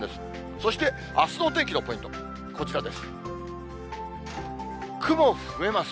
そして、あすのお天気のポイント、こちらです。